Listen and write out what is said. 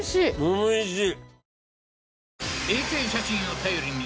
おいしい！